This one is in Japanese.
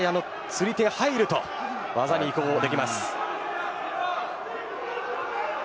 釣り手が入ると技に移行ができます。